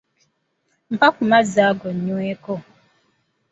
Mpa ku mazzi ago nyweko.